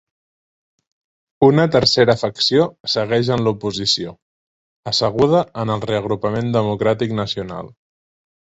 Una tercera facció segueix en l'oposició, asseguda en el Reagrupament Democràtic Nacional.